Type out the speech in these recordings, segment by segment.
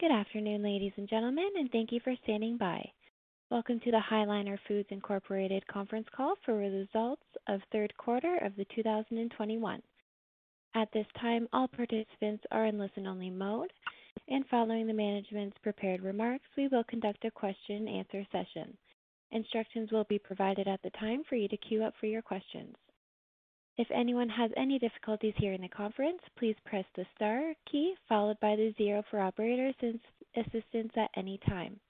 Good afternoon, ladies and gentlemen, and thank you for standing by. Welcome to the High Liner Foods Incorporated conference call for results of the third quarter of 2021. At this time, all participants are in listen-only mode, and following the management's prepared remarks, we will conduct a question and answer session. Instructions will be provided at the time for you to queue up for your questions. If anyone has any difficulties hearing the conference, please press the star key followed by the zero for operator's assistance at any time.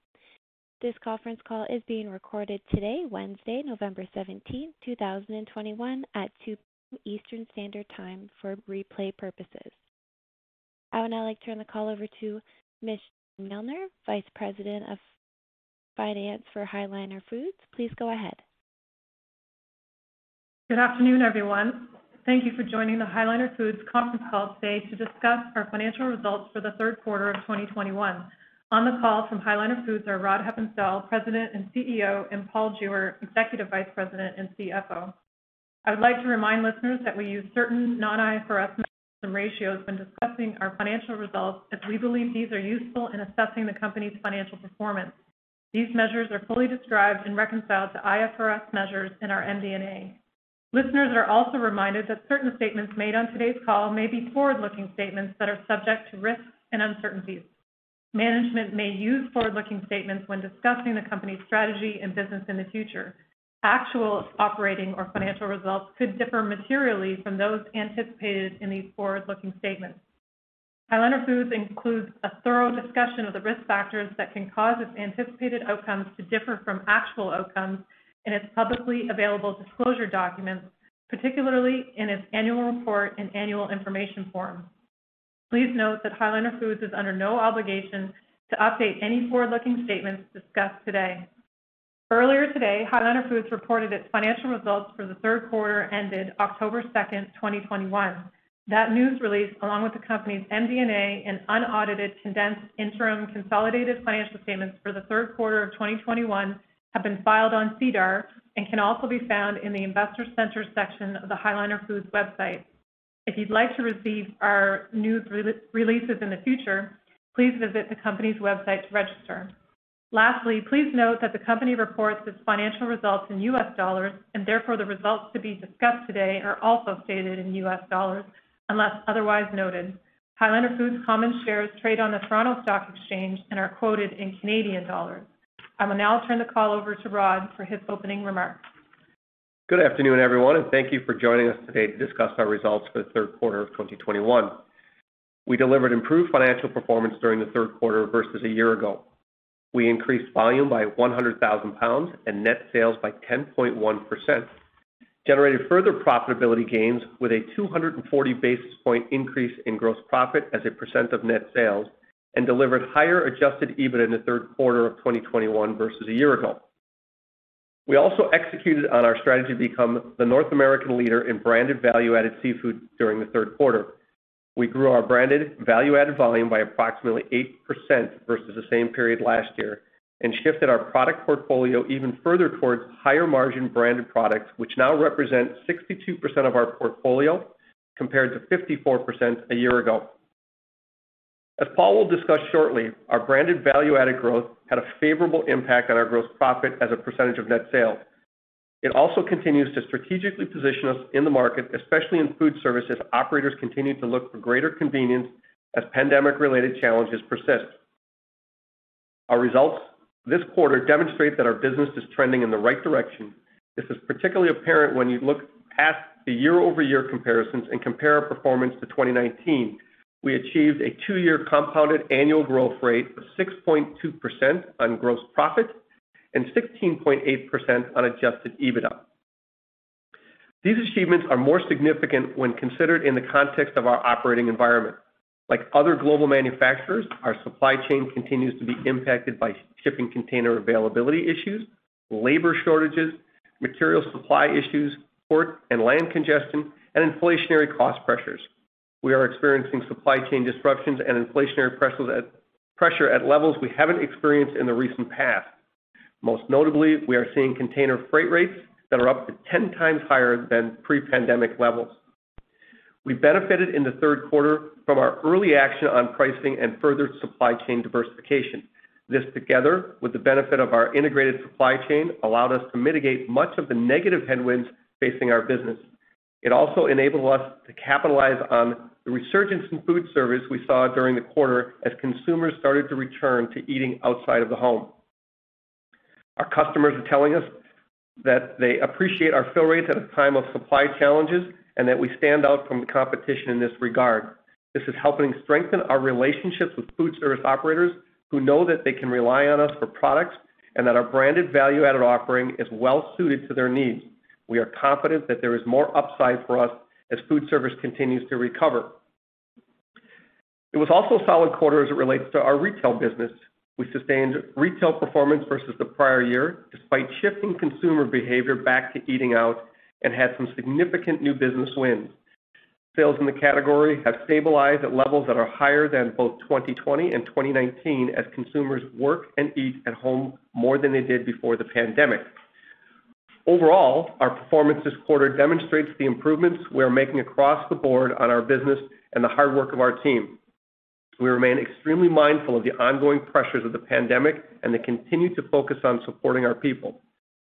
This conference call is being recorded today, Wednesday, November 17, 2021 at 2:00 P.M. Eastern Standard Time for replay purposes. I would now like to turn the call over to Ms. Charlene Milner, Vice President of Finance for High Liner Foods. Please go ahead. Good afternoon, everyone. Thank you for joining the High Liner Foods conference call today to discuss our financial results for the third quarter of 2021. On the call from High Liner Foods are Rod Hepponstall, President and CEO, and Paul Jewer, Executive Vice President and CFO. I would like to remind listeners that we use certain non-IFRS measures and ratios when discussing our financial results as we believe these are useful in assessing the company's financial performance. These measures are fully described and reconciled to IFRS measures in our MD&A. Listeners are also reminded that certain statements made on today's call may be forward-looking statements that are subject to risks and uncertainties. Management may use forward-looking statements when discussing the company's strategy and business in the future. Actual operating or financial results could differ materially from those anticipated in these forward-looking statements. High Liner Foods includes a thorough discussion of the risk factors that can cause its anticipated outcomes to differ from actual outcomes in its publicly available disclosure documents, particularly in its annual report and annual information form. Please note that High Liner Foods is under no obligation to update any forward-looking statements discussed today. Earlier today, High Liner Foods reported its financial results for the third quarter ended October 2, 2021. That news release, along with the company's MD&A and unaudited condensed interim consolidated financial statements for the third quarter of 2021, have been filed on SEDAR and can also be found in the Investor Center section of the highlinerfoods.com website. If you'd like to receive our news releases in the future, please visit the company's website to register. Lastly, please note that the company reports its financial results in U.S. dollars and therefore the results to be discussed today are also stated in U.S. dollars unless otherwise noted. High Liner Foods common shares trade on the Toronto Stock Exchange and are quoted in Canadian dollars. I will now turn the call over to Rod for his opening remarks. Good afternoon, everyone, and thank you for joining us today to discuss our results for the third quarter of 2021. We delivered improved financial performance during the third quarter versus a year ago. We increased volume by 100,000 pounds and net sales by 10.1%, generated further profitability gains with a 240 basis point increase in gross profit as a percent of net sales, and delivered higher adjusted EBITDA in the third quarter of 2021 versus a year ago. We also executed on our strategy to become the North American leader in branded value-added seafood during the third quarter. We grew our branded value-added volume by approximately 8% versus the same period last year and shifted our product portfolio even further towards higher margin branded products, which now represent 62% of our portfolio compared to 54% a year ago. As Paul will discuss shortly, our branded value-added growth had a favorable impact on our gross profit as a percentage of net sales. It also continues to strategically position us in the market, especially in food service as operators continue to look for greater convenience as pandemic related challenges persist. Our results this quarter demonstrate that our business is trending in the right direction. This is particularly apparent when you look past the year-over-year comparisons and compare our performance to 2019. We achieved a two-year compounded annual growth rate of 6.2% on gross profit and 16.8% on adjusted EBITDA. These achievements are more significant when considered in the context of our operating environment. Like other global manufacturers, our supply chain continues to be impacted by shipping container availability issues, labor shortages, material supply issues, port and land congestion, and inflationary cost pressures. We are experiencing supply chain disruptions and inflationary pressures at levels we haven't experienced in the recent past. Most notably, we are seeing container freight rates that are up to 10 times higher than pre-pandemic levels. We benefited in the third quarter from our early action on pricing and further supply chain diversification. This, together with the benefit of our integrated supply chain, allowed us to mitigate much of the negative headwinds facing our business. It also enabled us to capitalize on the resurgence in food service we saw during the quarter as consumers started to return to eating outside of the home. Our customers are telling us that they appreciate our fill rates at a time of supply challenges and that we stand out from the competition in this regard. This is helping strengthen our relationships with food service operators who know that they can rely on us for products and that our branded value-added offering is well suited to their needs. We are confident that there is more upside for us as food service continues to recover. It was also a solid quarter as it relates to our retail business. We sustained retail performance versus the prior year despite shifting consumer behavior back to eating out and had some significant new business wins. Sales in the category have stabilized at levels that are higher than both 2020 and 2019 as consumers work and eat at home more than they did before the pandemic. Overall, our performance this quarter demonstrates the improvements we are making across the board on our business and the hard work of our team. We remain extremely mindful of the ongoing pressures of the pandemic and continue to focus on supporting our people.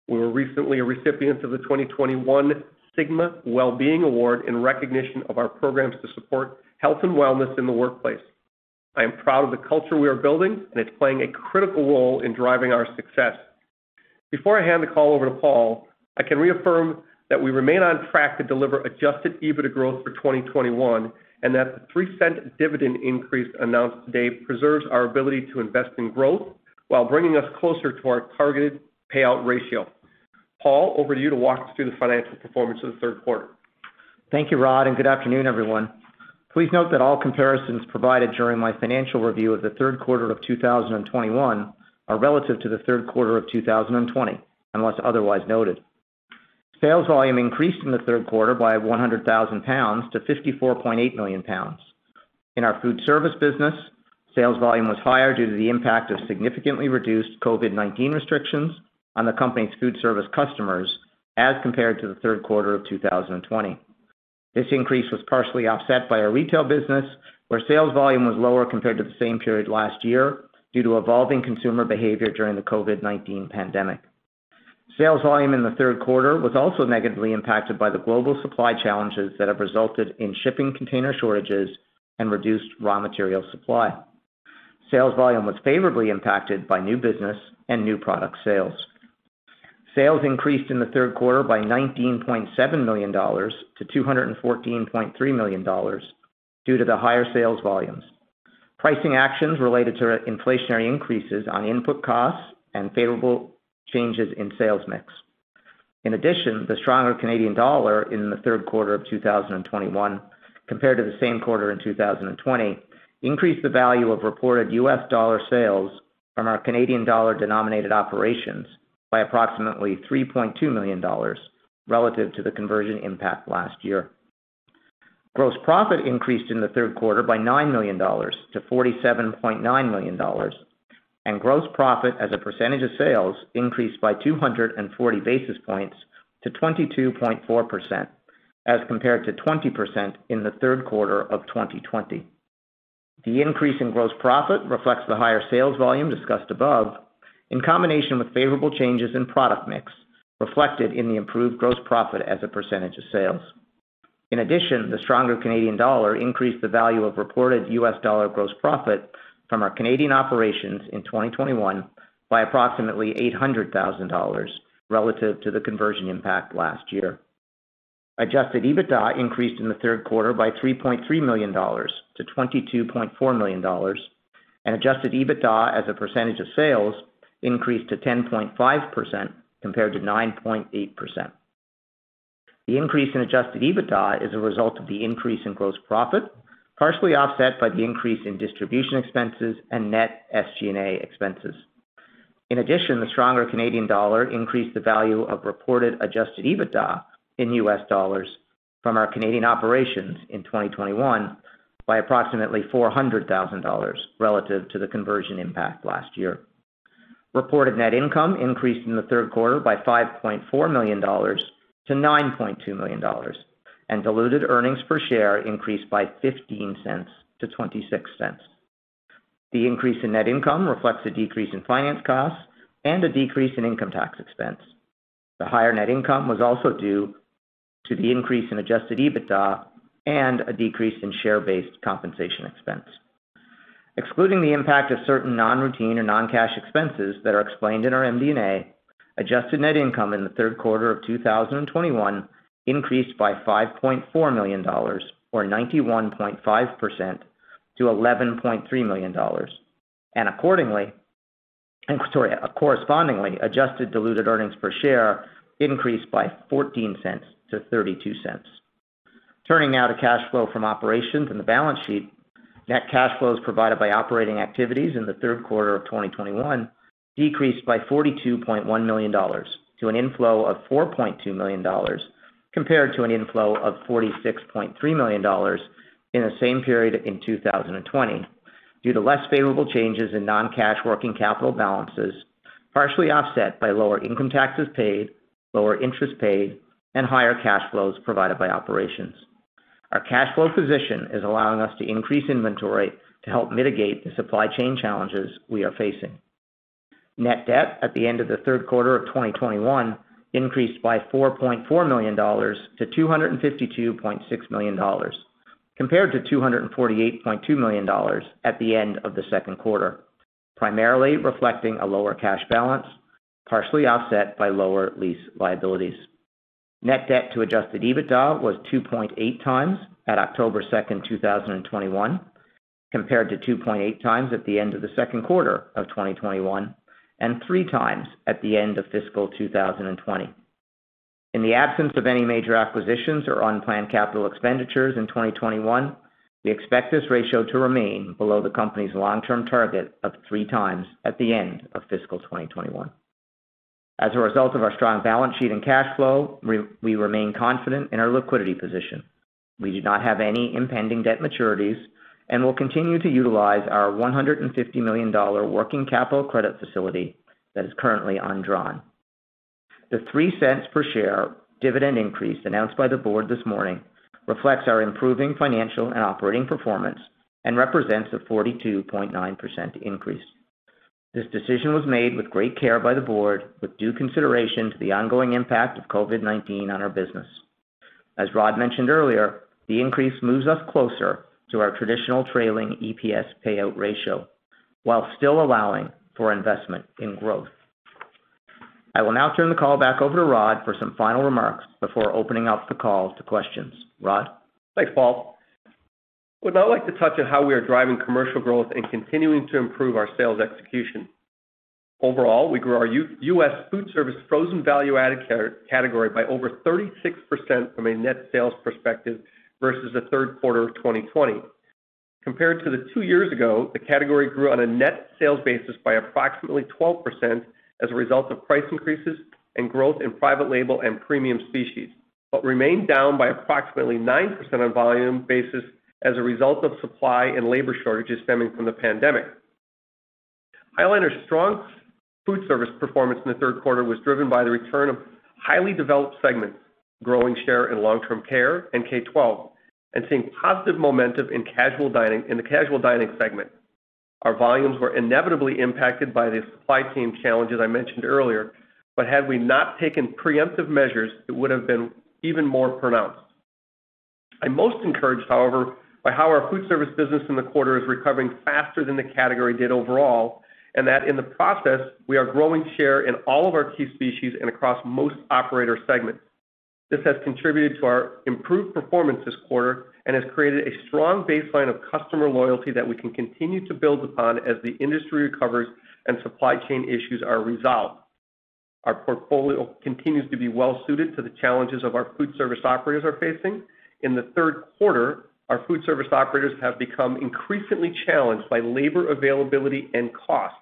We were recently a recipient of the 2021 Cigna Well-Being Award in recognition of our programs to support health and wellness in the workplace. I am proud of the culture we are building, and it's playing a critical role in driving our success. Before I hand the call over to Paul, I can reaffirm that we remain on track to deliver adjusted EBITDA growth for 2021, and that the 0.03 dividend increase announced today preserves our ability to invest in growth while bringing us closer to our targeted payout ratio. Paul, over to you to walk us through the financial performance of the third quarter. Thank you, Rod, and good afternoon, everyone. Please note that all comparisons provided during my financial review of the third quarter of 2021 are relative to the third quarter of 2020, unless otherwise noted. Sales volume increased in the third quarter by 100,000 pounds to 54.8 million pounds. In our food service business, sales volume was higher due to the impact of significantly reduced COVID-19 restrictions on the company's food service customers as compared to the third quarter of 2020. This increase was partially offset by our retail business, where sales volume was lower compared to the same period last year due to evolving consumer behavior during the COVID-19 pandemic. Sales volume in the third quarter was also negatively impacted by the global supply challenges that have resulted in shipping container shortages and reduced raw material supply. Sales volume was favorably impacted by new business and new product sales. Sales increased in the third quarter by $19.7 million to $214.3 million due to the higher sales volumes, pricing actions related to inflationary increases on input costs and favorable changes in sales mix. In addition, the stronger Canadian dollar in the third quarter of 2021 compared to the same quarter in 2020 increased the value of reported US dollar from our CAD-denominated operations by approximately $3.2 million relative to the conversion impact last year. Gross profit increased in the third quarter by $9 million to $47.9 million, and gross profit as a percentage of sales increased by 240 basis points to 22.4% as compared to 20% in the third quarter of 2020. The increase in gross profit reflects the higher sales volume discussed above in combination with favorable changes in product mix reflected in the improved gross profit as a percentage of sales. In addition, the stronger Canadian dollar increased the value of reported US dollar gross profit from our Canadian operations in 2021 by approximately $800,000 relative to the conversion impact last year. Adjusted EBITDA increased in the third quarter by $3.3 million to $22.4 million, and adjusted EBITDA as a percentage of sales increased to 10.5% compared to 9.8%. The increase in adjusted EBITDA is a result of the increase in gross profit, partially offset by the increase in distribution expenses and net SG&A expenses. In addition, the stronger Canadian dollar increased the value of reported adjusted EBITDA in US dollars from our Canadian operations in 2021 by approximately $400,000 relative to the conversion impact last year. Reported net income increased in the third quarter by $5.4 million to $9.2 million, and diluted earnings per share increased by $0.15 to $0.26. The increase in net income reflects a decrease in finance costs and a decrease in income tax expense. The higher net income was also due to the increase in adjusted EBITDA and a decrease in share-based compensation expense. Excluding the impact of certain non-routine or non-cash expenses that are explained in our MD&A, adjusted net income in the third quarter of 2021 increased by $5.4 million or 91.5% to $11.3 million. Accordingly and correspondingly, adjusted diluted earnings per share increased by $0.14 to $0.32. Turning now to cash flow from operations and the balance sheet. Net cash flows provided by operating activities in the third quarter of 2021 decreased by $42.1 million to an inflow of $4.2 million compared to an inflow of $46.3 million in the same period in 2020 due to less favorable changes in non-cash working capital balances, partially offset by lower income taxes paid, lower interest paid, and higher cash flows provided by operations. Our cash flow position is allowing us to increase inventory to help mitigate the supply chain challenges we are facing. Net debt at the end of the third quarter of 2021 increased by $4.4 million to $252.6 million, compared to $248.2 million million at the end of the second quarter, primarily reflecting a lower cash balance, partially offset by lower lease liabilities. Net debt to adjusted EBITDA was 2.8 times at October 2, 2021, compared to 2.8 times at the end of the second quarter of 2021 and 3 times at the end of fiscal 2020. In the absence of any major acquisitions or unplanned capital expenditures in 2021, we expect this ratio to remain below the company's long-term target of 3 times at the end of fiscal 2021. As a result of our strong balance sheet and cash flow, we remain confident in our liquidity position. We do not have any impending debt maturities and will continue to utilize our $150 million working capital credit facility that is currently undrawn. The $0.03 per share dividend increase announced by the board this morning reflects our improving financial and operating performance and represents a 42.9% increase. This decision was made with great care by the board with due consideration to the ongoing impact of COVID-19 on our business. As Rod mentioned earlier, the increase moves us closer to our traditional trailing EPS payout ratio while still allowing for investment in growth. I will now turn the call back over to Rod for some final remarks before opening up the call to questions. Rod? Thanks, Paul. I would now like to touch on how we are driving commercial growth and continuing to improve our sales execution. Overall, we grew our U.S. food service frozen value-added category by over 36% from a net sales perspective versus the third quarter of 2020. Compared to two years ago, the category grew on a net sales basis by approximately 12% as a result of price increases and growth in private label and premium species, but remained down by approximately 9% on volume basis as a result of supply and labor shortages stemming from the pandemic. High Liner's strong food service performance in the third quarter was driven by the return of hospitality-dependent segments, growing share in long-term care and K-12, and seeing positive momentum in casual dining segment. Our volumes were inevitably impacted by the supply chain challenges I mentioned earlier, but had we not taken preemptive measures, it would have been even more pronounced. I'm most encouraged, however, by how our food service business in the quarter is recovering faster than the category did overall, and that in the process, we are growing share in all of our key species and across most operator segments. This has contributed to our improved performance this quarter and has created a strong baseline of customer loyalty that we can continue to build upon as the industry recovers and supply chain issues are resolved. Our portfolio continues to be well suited to the challenges of our food service operators are facing. In the third quarter, our food service operators have become increasingly challenged by labor availability and cost,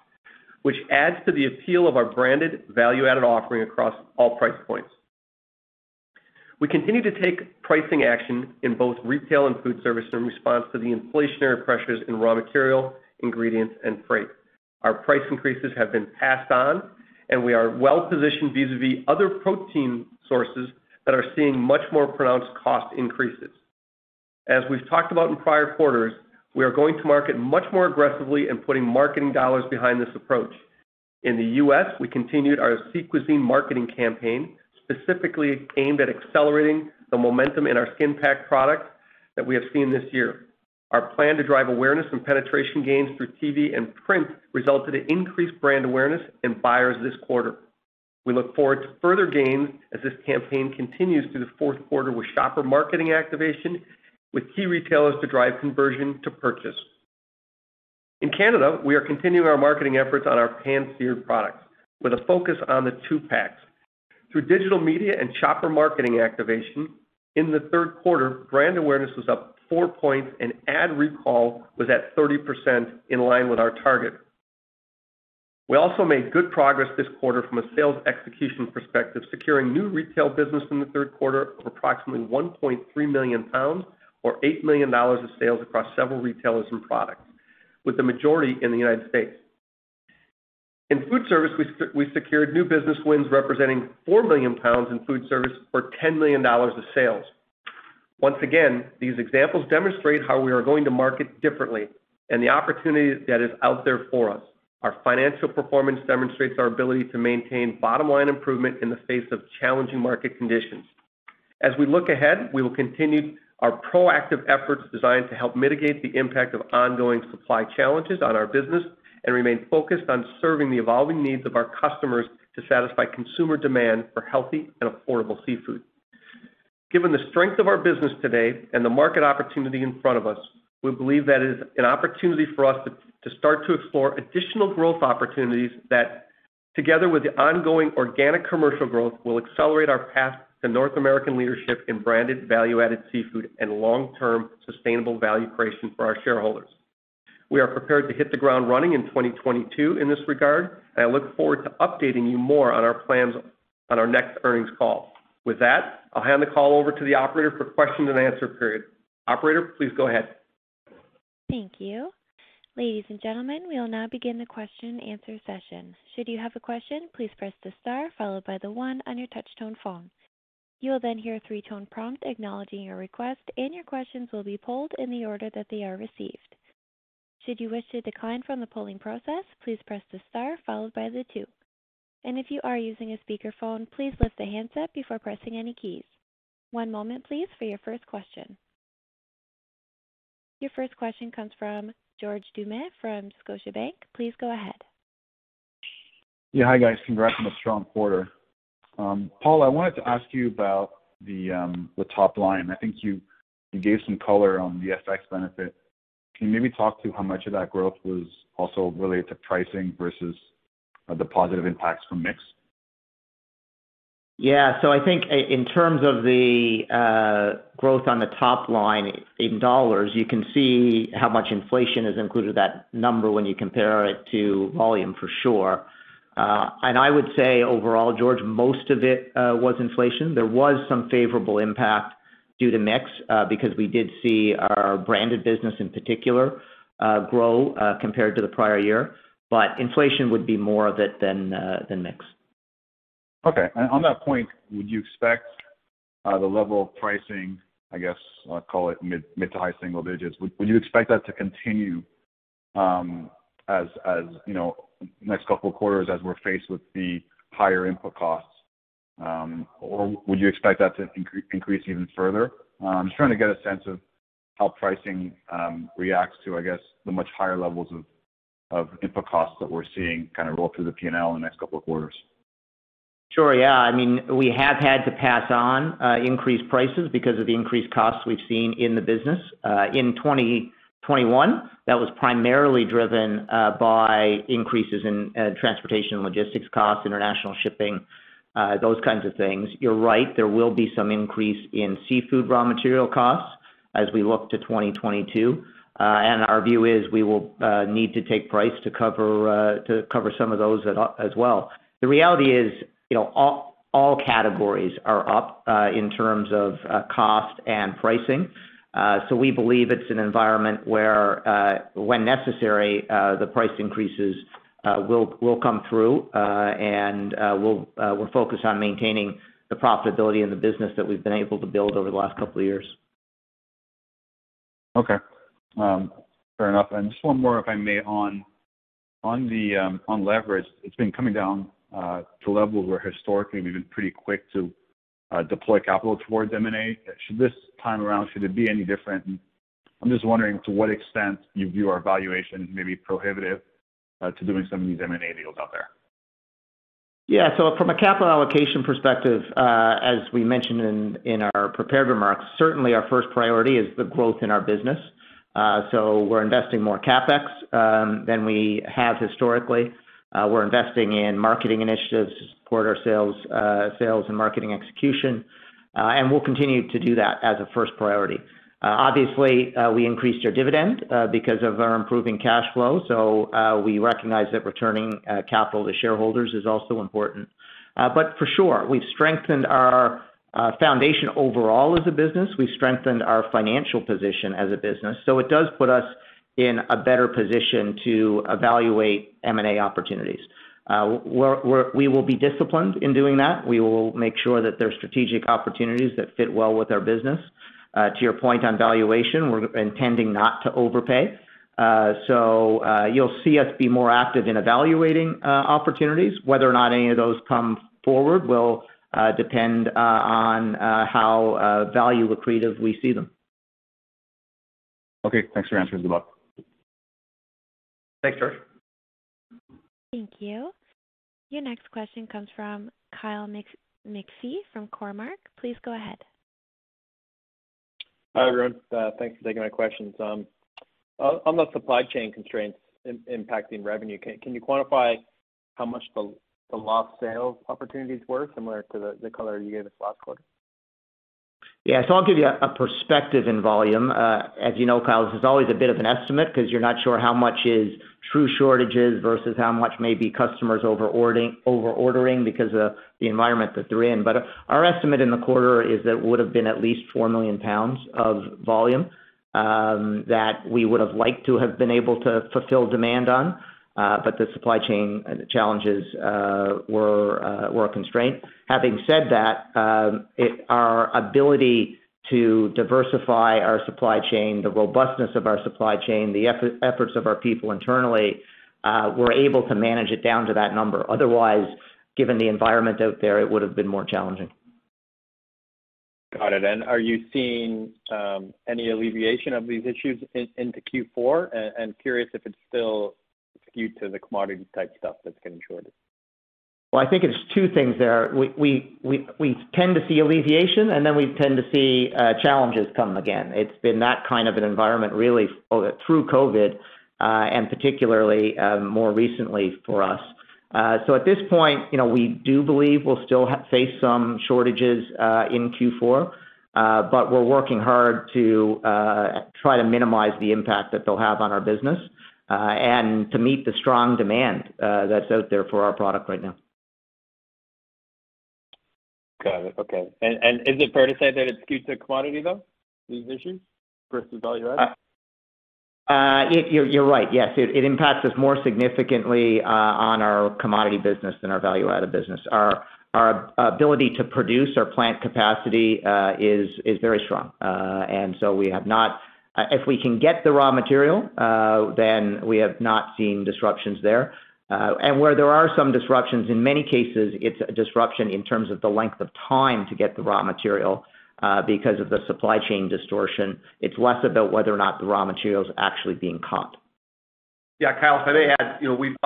which adds to the appeal of our branded value-added offering across all price points. We continue to take pricing action in both retail and food service in response to the inflationary pressures in raw material, ingredients, and freight. Our price increases have been passed on and we are well positioned vis-à-vis other protein sources that are seeing much more pronounced cost increases. As we've talked about in prior quarters, we are going to market much more aggressively in putting marketing dollars behind this approach. In the U.S., we continued our Sea Cuisine marketing campaign, specifically aimed at accelerating the momentum in our skin pack product that we have seen this year. Our plan to drive awareness and penetration gains through TV and print resulted in increased brand awareness in buyers this quarter. We look forward to further gains as this campaign continues through the fourth quarter with shopper marketing activation with key retailers to drive conversion to purchase. In Canada, we are continuing our marketing efforts on our pan-seared products with a focus on the two packs. Through digital media and shopper marketing activation in the third quarter, brand awareness was up 4 points and ad recall was at 30% in line with our target. We also made good progress this quarter from a sales execution perspective, securing new retail business in the third quarter of approximately 1.3 million pounds or $8 million of sales across several retailers and products, with the majority in the U.S. In food service, we secured new business wins representing 4 million pounds in food service for $10 million of sales. Once again, these examples demonstrate how we are going to market differently and the opportunity that is out there for us. Our financial performance demonstrates our ability to maintain bottom-line improvement in the face of challenging market conditions. As we look ahead, we will continue our proactive efforts designed to help mitigate the impact of ongoing supply challenges on our business and remain focused on serving the evolving needs of our customers to satisfy consumer demand for healthy and affordable seafood. Given the strength of our business today and the market opportunity in front of us, we believe that it is an opportunity for us to start to explore additional growth opportunities that together with the ongoing organic commercial growth will accelerate our path to North American leadership in branded value-added seafood and long-term sustainable value creation for our shareholders. We are prepared to hit the ground running in 2022 in this regard, and I look forward to updating you more on our plans on our next earnings call. With that, I'll hand the call over to the operator for questions and answer period. Operator, please go ahead. Thank you. Ladies and gentlemen, we will now begin the question and answer session. Should you have a question, please press the star followed by the one on your touch tone phone. You will then hear a three-tone prompt acknowledging your request, and your questions will be polled in the order that they are received. Should you wish to decline from the polling process, please press the star followed by the two. If you are using a speakerphone, please lift the handset before pressing any keys. One moment please for your first question. Your first question comes from George Doumet from Scotiabank. Please go ahead. Yeah. Hi, guys. Congrats on the strong quarter. Paul, I wanted to ask you about the top line. I think you gave some color on the FX benefit. Can you maybe talk to how much of that growth was also related to pricing versus the positive impacts from mix? Yeah. I think in terms of the growth on the top line in dollars, you can see how much inflation is included that number when you compare it to volume for sure. I would say overall, George, most of it was inflation. There was some favorable impact. Due to mix, because we did see our branded business in particular, grow, compared to the prior year. Inflation would be more of it than mix. Okay. On that point, would you expect the level of pricing, I guess, I'll call it mid- to high single digits, would you expect that to continue, you know, next couple of quarters as we're faced with the higher input costs? Or would you expect that to increase even further? Just trying to get a sense of how pricing reacts to, I guess, the much higher levels of input costs that we're seeing kind of roll through the P&L in the next couple of quarters. Sure. Yeah. I mean, we have had to pass on increased prices because of the increased costs we've seen in the business. In 2021, that was primarily driven by increases in transportation and logistics costs, international shipping, those kinds of things. You're right, there will be some increase in seafood raw material costs as we look to 2022. And our view is we will need to take price to cover some of those as well. The reality is, you know, all categories are up in terms of cost and pricing. We believe it's an environment where, when necessary, the price increases will come through. We'll focus on maintaining the profitability in the business that we've been able to build over the last couple of years. Okay. Fair enough. Just one more, if I may, on leverage. It's been coming down to levels where historically we've been pretty quick to deploy capital towards M&A. Should this time around it be any different? I'm just wondering to what extent you view our valuation may be prohibitive to doing some of these M&A deals out there. Yeah. From a capital allocation perspective, as we mentioned in our prepared remarks, certainly our first priority is the growth in our business. We're investing more CapEx than we have historically. We're investing in marketing initiatives to support our sales and marketing execution. We'll continue to do that as a first priority. Obviously, we increased our dividend because of our improving cash flow. We recognize that returning capital to shareholders is also important. For sure, we've strengthened our foundation overall as a business. We've strengthened our financial position as a business. It does put us in a better position to evaluate M&A opportunities. We will be disciplined in doing that. We will make sure that there are strategic opportunities that fit well with our business. To your point on valuation, we're intending not to overpay. You'll see us be more active in evaluating opportunities. Whether or not any of those come forward will depend on how value accretive we see them. Okay. Thanks for answering the call. Thanks, George. Thank you. Your next question comes from Kyle McPhee from Cormark. Please go ahead. Hi, everyone. Thanks for taking my questions. On the supply chain constraints impacting revenue, can you quantify how much the lost sales opportunities were similar to the color you gave us last quarter? Yeah. I'll give you a perspective in volume. As you know, Kyle, this is always a bit of an estimate 'cause you're not sure how much is true shortages versus how much may be customers overordering because of the environment that they're in. Our estimate in the quarter is that it would have been at least 4 million pounds of volume that we would have liked to have been able to fulfill demand on, but the supply chain challenges were a constraint. Having said that, our ability to diversify our supply chain, the robustness of our supply chain, the efforts of our people internally were able to manage it down to that number. Otherwise, given the environment out there, it would have been more challenging. Got it. Are you seeing any alleviation of these issues into Q4? I'm curious if it's still skewed to the commodity type stuff that's getting shorted. Well, I think it's two things there. We tend to see alleviation, and then we tend to see challenges come again. It's been that kind of an environment really through COVID, and particularly more recently for us. At this point, you know, we do believe we'll still face some shortages in Q4, but we're working hard to try to minimize the impact that they'll have on our business, and to meet the strong demand that's out there for our product right now. Got it. Okay. Is it fair to say that it's skewed to commodity, though, these issues versus value add? You're right. Yes. It impacts us more significantly on our commodity business than our value add business. Our ability to produce our plant capacity is very strong. If we can get the raw material, then we have not seen disruptions there. Where there are some disruptions, in many cases, it's a disruption in terms of the length of time to get the raw material because of the supply chain disruption. It's less about whether or not the raw material is actually being caught. Yeah. Kyle, if I may add, you know, we've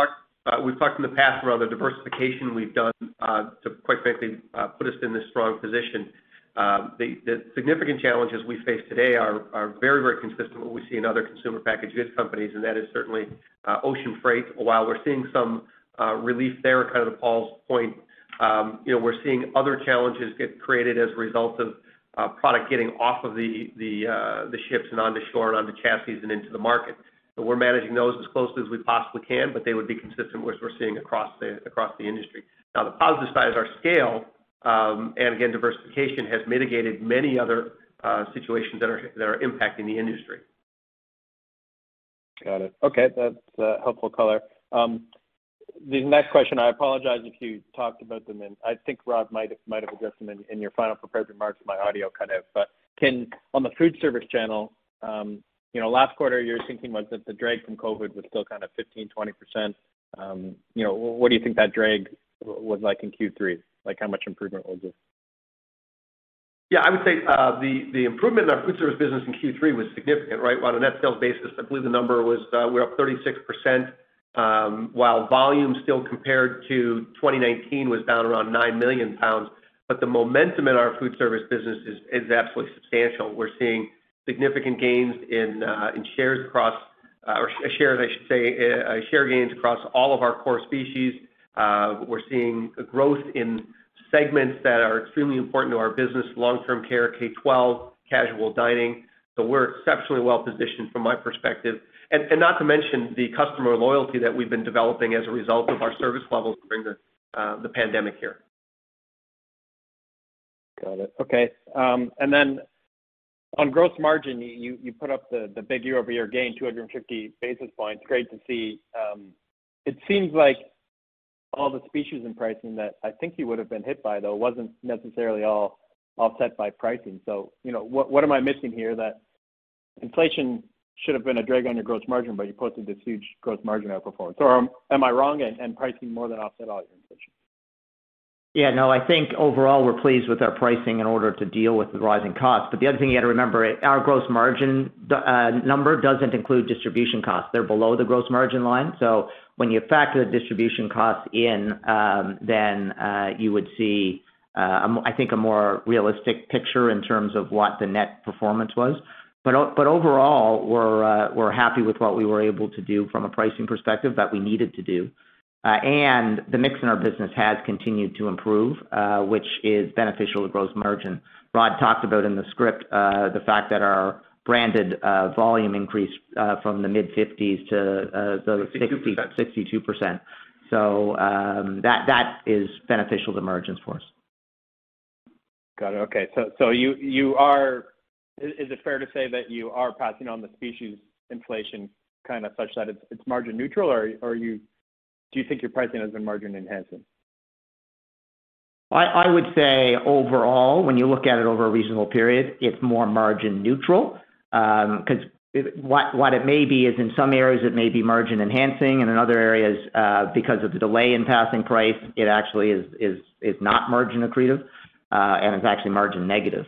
talked in the past around the diversification we've done to quite frankly put us in this strong position. The significant challenges we face today are very consistent with what we see in other consumer packaged goods companies, and that is certainly ocean freight. While we're seeing some relief there, kind of to Paul's point, you know, we're seeing other challenges get created as a result of product getting off of the ships and onto shore and onto chassis and into the market. But we're managing those as closely as we possibly can, but they would be consistent with what we're seeing across the industry. Now, the positive side is our scale, and again, diversification has mitigated many other situations that are impacting the industry. Got it. Okay. That's helpful color. The next question, I apologize if you talked about them, and I think Rod might have addressed them in your final prepared remarks. My audio cut out. On the food service channel, you know, last quarter you were thinking was that the drag from COVID was still kind of 15%-20%. You know, what do you think that drag was like in Q3? Like, how much improvement was it? Yeah, I would say the improvement in our food service business in Q3 was significant, right? On a net sales basis, I believe the number was we're up 36%, while volume still compared to 2019 was down around 9 million pounds. The momentum in our food service business is absolutely substantial. We're seeing significant share gains across all of our core species. We're seeing a growth in segments that are extremely important to our business, long-term care, K-12, casual dining. We're exceptionally well-positioned from my perspective. Not to mention the customer loyalty that we've been developing as a result of our service levels during the pandemic here. Got it. Okay. On gross margin, you put up the big year-over-year gain, 250 basis points. Great to see. It seems like all the species and pricing that I think you would've been hit by, though, wasn't necessarily all offset by pricing. You know, what am I missing here that inflation should have been a drag on your gross margin, but you posted this huge gross margin outperformance. Am I wrong and pricing more than offset all your inflation? Yeah, no, I think overall we're pleased with our pricing in order to deal with the rising costs. The other thing you got to remember, our gross margin number doesn't include distribution costs. They're below the gross margin line. When you factor the distribution costs in, then you would see, I think a more realistic picture in terms of what the net performance was. Overall, we're happy with what we were able to do from a pricing perspective that we needed to do. The mix in our business has continued to improve, which is beneficial to gross margin. Rod talked about in the script the fact that our branded volume increased from the mid-50s to the 60- 62%. 62%. That is beneficial to margins for us. Got it. Okay. Is it fair to say that you are passing on the species inflation kind of such that it's margin neutral? Or do you think your pricing has been margin enhancing? I would say overall, when you look at it over a reasonable period, it's more margin neutral. 'Cause what it may be is in some areas it may be margin enhancing and in other areas, because of the delay in passing price, it actually is not margin accretive, and it's actually margin negative.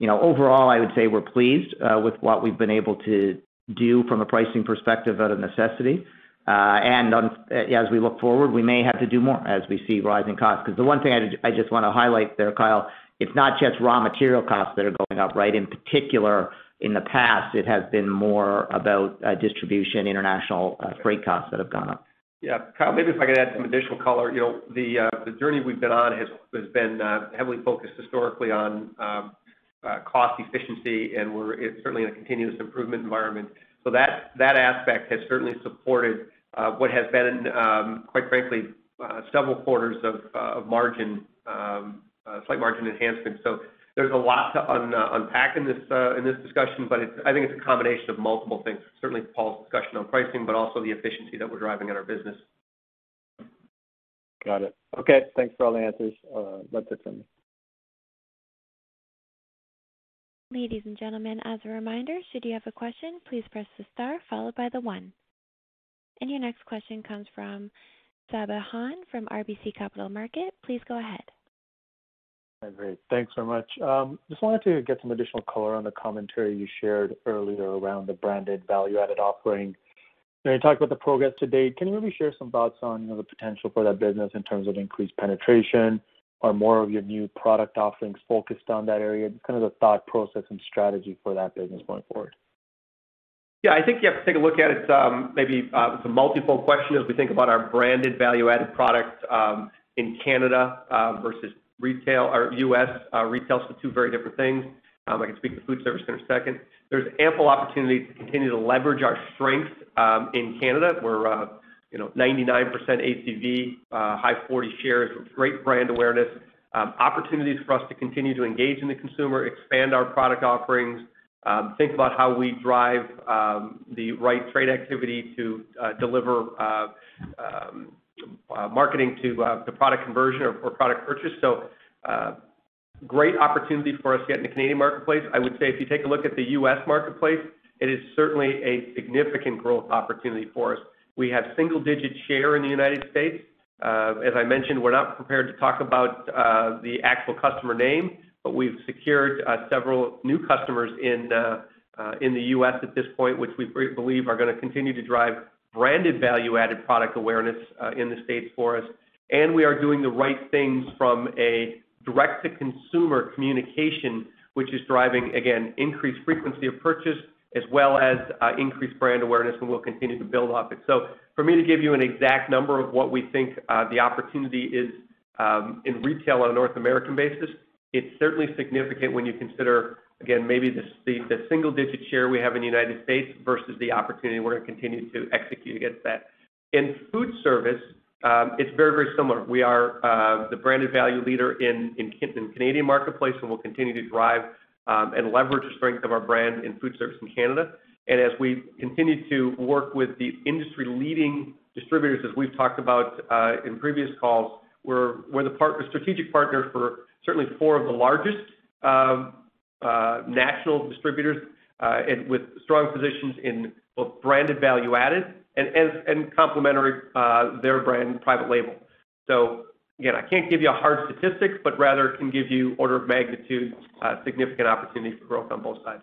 You know, overall, I would say we're pleased with what we've been able to do from a pricing perspective out of necessity. On, as we look forward, we may have to do more as we see rising costs. 'Cause the one thing I just wanna highlight there, Kyle, it's not just raw material costs that are going up, right? In particular, in the past, it has been more about distribution, international, freight costs that have gone up. Yeah. Kyle, maybe if I could add some additional color. You know, the journey we've been on has been heavily focused historically on cost efficiency, and it's certainly in a continuous improvement environment. That aspect has certainly supported what has been quite frankly several quarters of slight margin enhancement. There's a lot to unpack in this discussion, but I think it's a combination of multiple things. Certainly Paul's discussion on pricing, but also the efficiency that we're driving in our business. Got it. Okay. Thanks for all the answers. That's it for me. Ladies and gentlemen, as a reminder, should you have a question, please press the star followed by the one. Your next question comes from Sabahat Khan from RBC Capital Markets. Please go ahead. Great. Thanks so much. Just wanted to get some additional color on the commentary you shared earlier around the branded value-added offering. When you talked about the progress to date, can you maybe share some thoughts on, you know, the potential for that business in terms of increased penetration or more of your new product offerings focused on that area? Just kind of the thought process and strategy for that business going forward. Yeah. I think you have to take a look at it, maybe, with a multiple question as we think about our branded value-added products, in Canada, versus retail or U.S., retail. Two very different things. I can speak to food service in a second. There's ample opportunity to continue to leverage our strength, in Canada, where, you know, 99% ACV, high forties share, great brand awareness. Opportunities for us to continue to engage in the consumer, expand our product offerings, think about how we drive, the right trade activity to deliver marketing to the product conversion or product purchase. Great opportunity for us yet in the Canadian marketplace. I would say if you take a look at the U.S. marketplace, it is certainly a significant growth opportunity for us. We have single-digit share in the United States. As I mentioned, we're not prepared to talk about the actual customer name, but we've secured several new customers in the U.S. at this point, which we believe are gonna continue to drive branded value-added product awareness in the States for us. We are doing the right things from a direct-to-consumer communication, which is driving, again, increased frequency of purchase as well as increased brand awareness, and we'll continue to build off it. For me to give you an exact number of what we think the opportunity is in retail on a North American basis, it's certainly significant when you consider, again, maybe the single-digit share we have in the United States versus the opportunity we're gonna continue to execute against that. In food service, it's very, very similar. We are the branded value leader in Canadian marketplace, and we'll continue to drive and leverage the strength of our brand in food service in Canada. As we continue to work with the industry-leading distributors as we've talked about in previous calls, we're the strategic partner for certainly four of the largest national distributors, and with strong positions in both branded value-added and complementary their brand private label. Again, I can't give you a hard statistic, but rather can give you order of magnitude, significant opportunity for growth on both sides.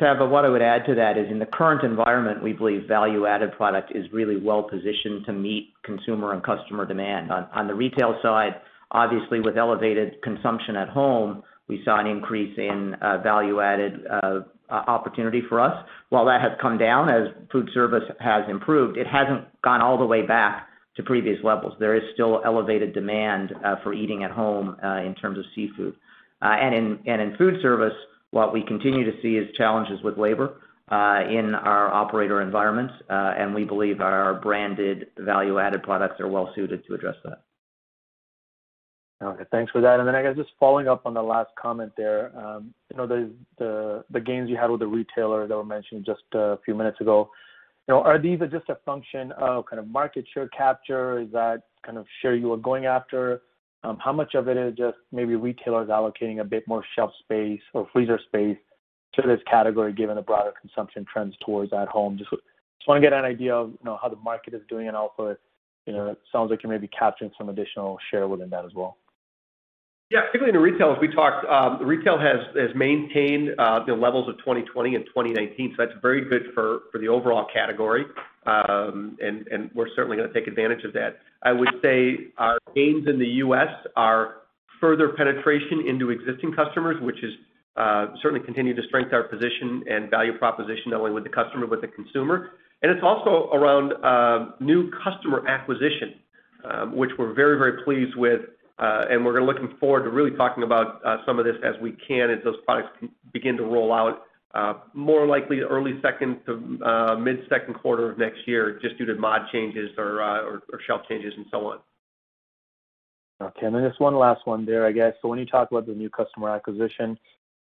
Sabahat, what I would add to that is in the current environment, we believe value-added product is really well positioned to meet consumer and customer demand. On the retail side, obviously, with elevated consumption at home, we saw an increase in value-added opportunity for us. While that has come down as food service has improved, it hasn't gone all the way back to previous levels. There is still elevated demand for eating at home in terms of seafood. In food service, what we continue to see is challenges with labor in our operator environments, and we believe our branded value-added products are well suited to address that. Okay. Thanks for that. I guess, just following up on the last comment there, you know, the gains you had with the retailer that were mentioned just a few minutes ago. You know, are these just a function of kind of market share capture? Is that kind of share you are going after? How much of it is just maybe retailers allocating a bit more shelf space or freezer space to this category, given the broader consumption trends towards at home? Just wanna get an idea of, you know, how the market is doing overall for it. You know, it sounds like you may be capturing some additional share within that as well. Yeah. Particularly in the retail, as we talked, retail has maintained the levels of 2020 and 2019, so that's very good for the overall category. We're certainly gonna take advantage of that. I would say our gains in the U.S. are further penetration into existing customers, which is certainly continue to strengthen our position and value proposition, not only with the customer, but the consumer. It's also around new customer acquisition, which we're very pleased with, and we're looking forward to really talking about some of this as we can as those products can begin to roll out, more likely early second to mid-second quarter of next year just due to mod changes or shelf changes and so on. Okay. Just one last one there, I guess. When you talk about the new customer acquisition,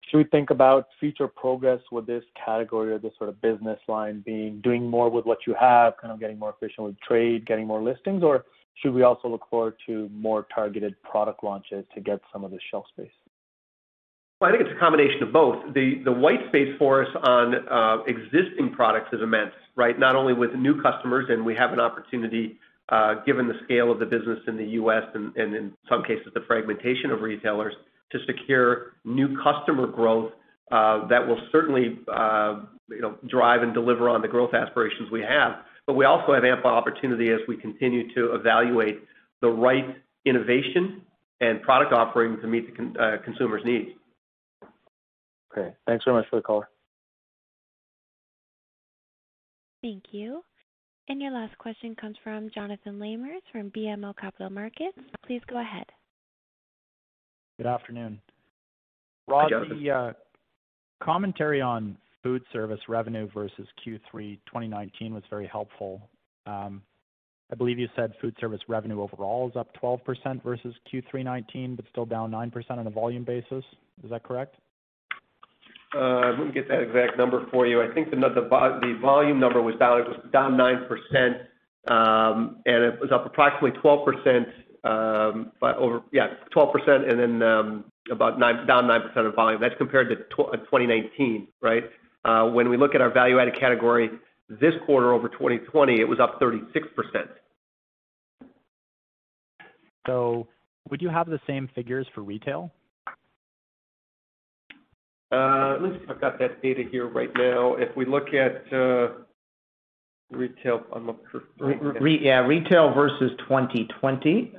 should we think about future progress with this category or this sort of business line being doing more with what you have, kind of getting more efficient with trade, getting more listings? Or should we also look forward to more targeted product launches to get some of the shelf space? Well, I think it's a combination of both. The white space for us on existing products is immense, right? Not only with new customers, and we have an opportunity given the scale of the business in the U.S. and in some cases, the fragmentation of retailers to secure new customer growth that will certainly you know, drive and deliver on the growth aspirations we have. We also have ample opportunity as we continue to evaluate the right innovation and product offerings to meet the consumer's needs. Okay. Thanks so much for the call. Thank you. Your last question comes from Jonathan Lamers from BMO Capital Markets. Please go ahead. Good afternoon. Rod, the commentary on food service revenue versus Q3 2019 was very helpful. I believe you said food service revenue overall is up 12% versus Q3 2019, but still down 9% on a volume basis. Is that correct? Let me get that exact number for you. I think the volume number was down 9%, and it was up approximately 12%. Yeah, 12% and then down 9% of volume. That's compared to 2019, right? When we look at our value-added category this quarter over 2020, it was up 36%. Would you have the same figures for retail? Let me see if I've got that data here right now. If we look at retail. Yeah, retail versus 2020,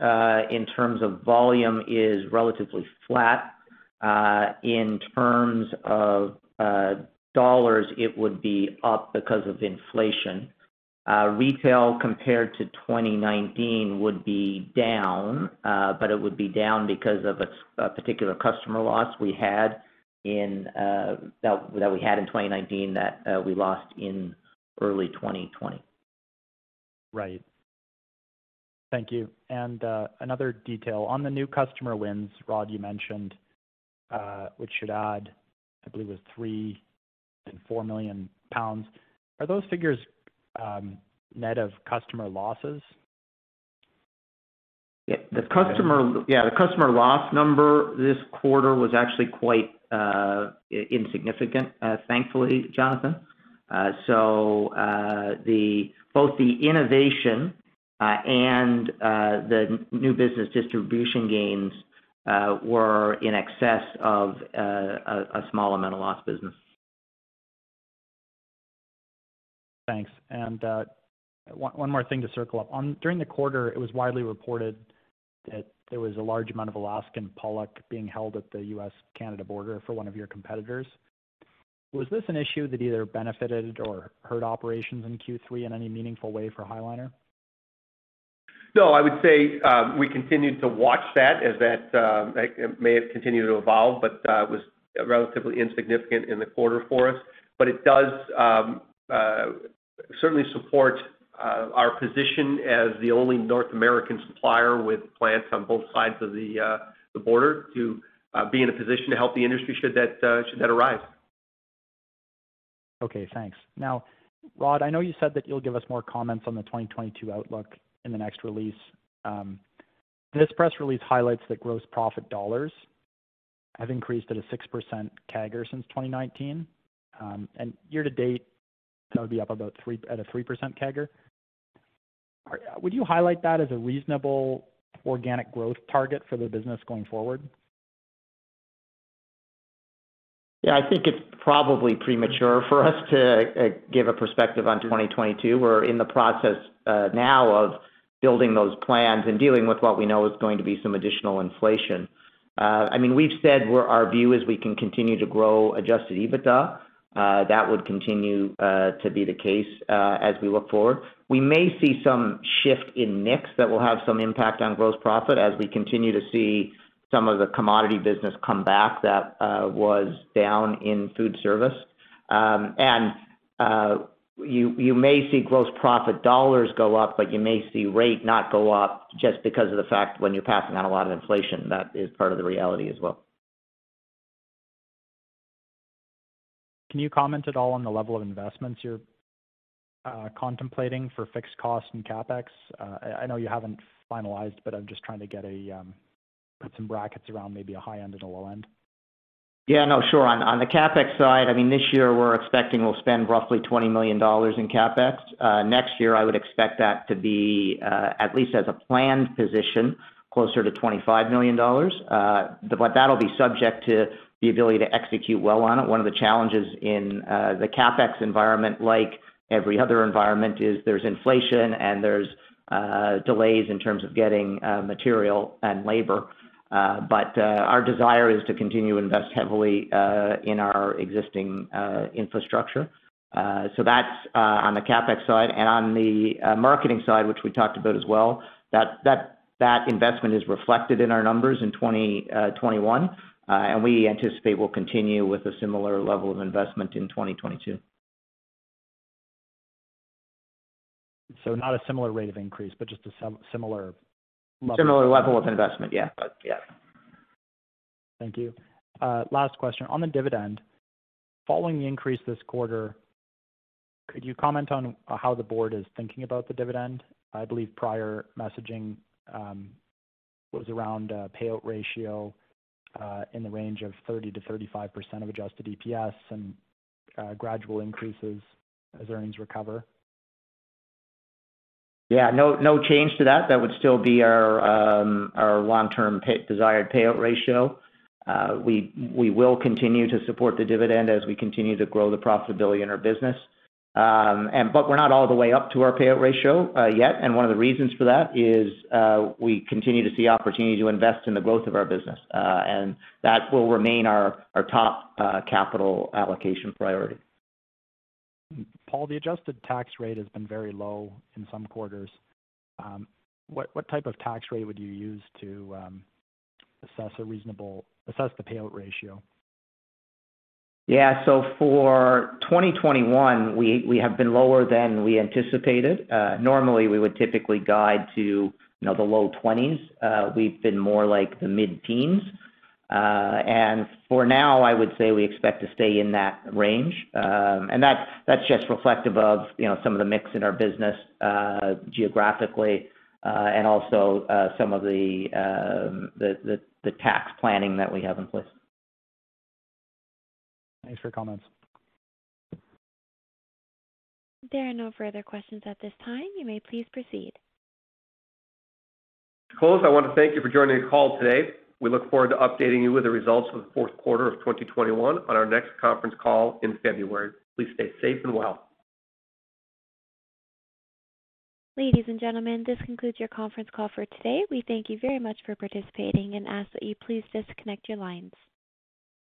in terms of volume, is relatively flat. In terms of dollars, it would be up because of inflation. Retail compared to 2019 would be down, but it would be down because of a particular customer loss we had in 2019 that we lost in early 2020. Right. Thank you. Another detail. On the new customer wins, Rod, you mentioned, which should add, I believe it was 3 and 4 million pounds. Are those figures net of customer losses? Yeah. The customer loss number this quarter was actually quite insignificant, thankfully, Jonathan. Both the innovation and the new business distribution gains were in excess of a small amount of lost business. Thanks. One more thing to circle up. During the quarter, it was widely reported that there was a large amount of Alaska pollock being held at the U.S.-Canada border for one of your competitors. Was this an issue that either benefited or hurt operations in Q3 in any meaningful way for High Liner? No, I would say, we continued to watch that as that may have continued to evolve, but was relatively insignificant in the quarter for us. It does certainly support our position as the only North American supplier with plants on both sides of the border to be in a position to help the industry should that arise. Okay, thanks. Now, Rod, I know you said that you'll give us more comments on the 2022 outlook in the next release. This press release highlights that gross profit dollars have increased at a 6% CAGR since 2019. Year to date, that would be up about 3% at a 3% CAGR. Would you highlight that as a reasonable organic growth target for the business going forward? Yeah, I think it's probably premature for us to give a perspective on 2022. We're in the process now of building those plans and dealing with what we know is going to be some additional inflation. I mean, we've said where our view is we can continue to grow adjusted EBITDA. That would continue to be the case as we look forward. We may see some shift in mix that will have some impact on gross profit as we continue to see some of the commodity business come back that was down in food service. You may see gross profit dollars go up, but you may see rate not go up just because of the fact when you're passing on a lot of inflation. That is part of the reality as well. Can you comment at all on the level of investments you're contemplating for fixed costs and CapEx? I know you haven't finalized, but I'm just trying to put some brackets around maybe a high end and a low end. Yeah, no, sure. On the CapEx side, I mean, this year we're expecting we'll spend roughly $20 million in CapEx. Next year, I would expect that to be, at least as a planned position, closer to $25 million. But that'll be subject to the ability to execute well on it. One of the challenges in the CapEx environment, like every other environment, is there's inflation and there's delays in terms of getting material and labor. But our desire is to continue to invest heavily in our existing infrastructure. That's on the CapEx side. On the marketing side, which we talked about as well, that investment is reflected in our numbers in 2021. And we anticipate we'll continue with a similar level of investment in 2022. not a similar rate of increase, but just a similar level. Similar level of investment, yeah. Yeah. Thank you. Last question. On the dividend, following the increase this quarter, could you comment on how the board is thinking about the dividend? I believe prior messaging was around payout ratio in the range of 30%-35% of adjusted EPS and gradual increases as earnings recover. Yeah. No change to that. That would still be our long-term desired payout ratio. We will continue to support the dividend as we continue to grow the profitability in our business. We're not all the way up to our payout ratio yet, and one of the reasons for that is we continue to see opportunity to invest in the growth of our business, and that will remain our top capital allocation priority. Paul, the adjusted tax rate has been very low in some quarters. What type of tax rate would you use to assess the payout ratio? Yeah. For 2021, we have been lower than we anticipated. Normally we would typically guide to, you know, the low 20s. We've been more like the mid-teens. For now, I would say we expect to stay in that range. That's just reflective of, you know, some of the mix in our business, geographically, and also some of the tax planning that we have in place. Thanks for your comments. There are no further questions at this time. You may please proceed. To close, I wanna thank you for joining the call today. We look forward to updating you with the results of the fourth quarter of 2021 on our next conference call in February. Please stay safe and well. Ladies and gentlemen, this concludes your conference call for today. We thank you very much for participating and ask that you please disconnect your lines.